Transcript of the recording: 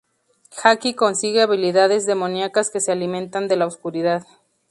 Jackie consigue habilidades demoníacas que se alimentan de la oscuridad.